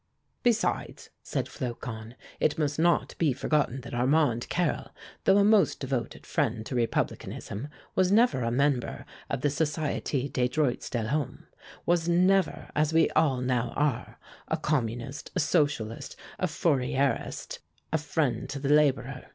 "Besides," said Flocon, "it must not be forgotten that Armand Carrel, though a most devoted friend to Republicanism, was never a member of the Société des Droits de l'Homme was never, as we all now are a Communist, a Socialist, a Fourierist, a friend to the laborer.